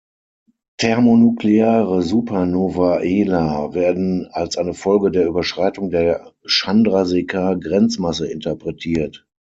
Thermonukleare Supernovae Ia werden als eine Folge der Überschreitung der Chandrasekhar-Grenzmasse interpretiert.